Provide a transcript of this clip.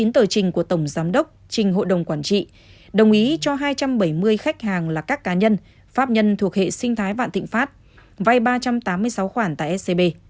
một mươi tờ trình của tổng giám đốc trình hội đồng quản trị đồng ý cho hai trăm bảy mươi khách hàng là các cá nhân pháp nhân thuộc hệ sinh thái vạn thịnh pháp vay ba trăm tám mươi sáu khoản tại scb